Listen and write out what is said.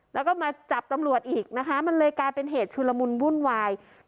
แล้วก็มาจับตำรวจอีกนะคะมันเลยกลายเป็นเหตุชุลมุนวุ่นวาย